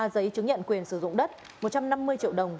ba giấy chứng nhận quyền sử dụng đất một trăm năm mươi triệu đồng